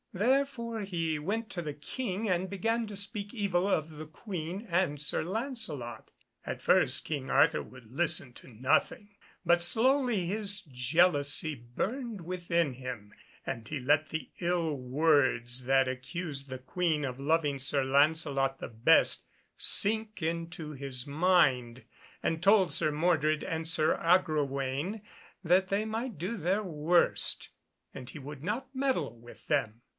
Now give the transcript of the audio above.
Therefore he went to the King and began to speak evil of the Queen and Sir Lancelot. At first King Arthur would listen to nothing, but slowly his jealousy burned within him, and he let the ill words that accused the Queen of loving Sir Lancelot the best, sink into his mind, and told Sir Mordred and Sir Agrawaine that they might do their worst, and he would not meddle with them.